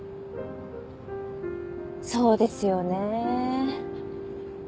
そうですよね。